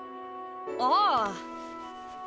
ああ。